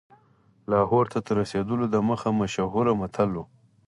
لاهور ته تر رسېدلو دمخه مشهور متل و.